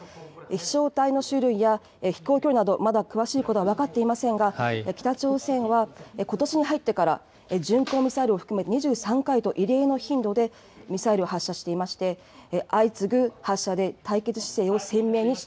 飛しょう体の種類や飛行距離など、まだ詳しいことは分かっていませんが、北朝鮮はことしに入ってから、巡航ミサイルを含め２３回と、異例の頻度でミサイルを発射していまして、相次ぐ発射で対決姿勢